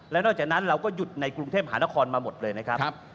และนอกจากนั้นเราก็หยุดในกรุงเทพหานครมาหมดเลยนะครับ